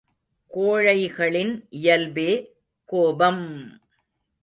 கோழைகளின் இயல்பே கோபம்!